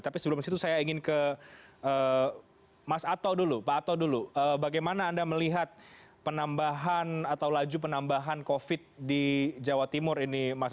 tapi sebelum itu saya ingin ke mas ato dulu pak ato dulu bagaimana anda melihat penambahan atau laju penambahan covid di jawa timur ini